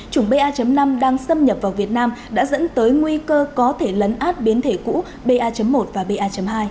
chủng ba năm đang xâm nhập vào việt nam đã dẫn tới nguy cơ có thể lấn át biến thể cũ ba một và ba hai